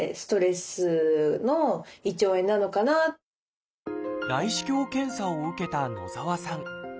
最初は内視鏡検査を受けた野澤さん。